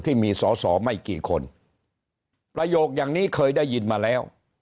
ที่มีสอสอไม่กี่คนประโยคอย่างนี้เคยได้ยินมาแล้ว